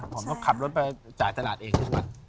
ผมต้องขับรถไปจ่ายตลาดเองใช่ไหม